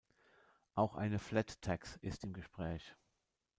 Auch eine Flat Tax ist im Gespräch.